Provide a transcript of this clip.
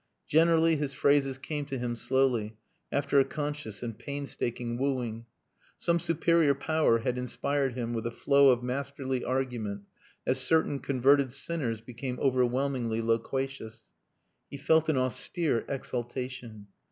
Generally his phrases came to him slowly, after a conscious and painstaking wooing. Some superior power had inspired him with a flow of masterly argument as certain converted sinners become overwhelmingly loquacious. He felt an austere exultation.